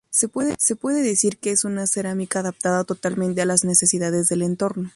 Se puede decir que es una cerámica adaptada totalmente a las necesidades del entorno.